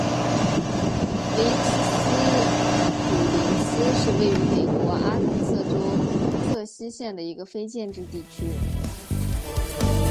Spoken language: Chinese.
威茨斯普林斯是位于美国阿肯色州瑟西县的一个非建制地区。